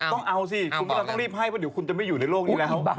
ต้องเอาสิเราต้องรีบให้คุณก็จะไม่อยู่ในโลกนี้แล้ว